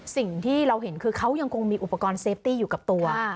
สิ่งที่เราเห็นคือเขายังคงมีอุปกรณ์เซฟตี้อยู่กับตัว